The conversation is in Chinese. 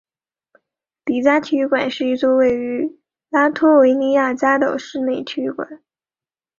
里加体育馆是一座位于拉脱维亚里加的室内体育馆。